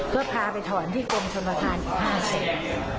ก็พาไปถอนที่กรมชนทานอีก๕แสน